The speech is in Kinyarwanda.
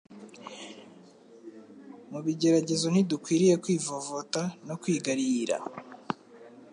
Mu bigeragezo ntidukwiriye kwivovota no kwigariyira